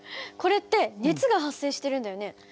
これって熱が発生してるんだよね。